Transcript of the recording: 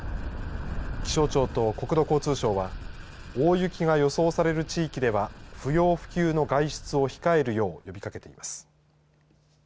気象庁と国土交通省は大雪が予想される地域では不要不急の外出を控えるよう呼びかけています。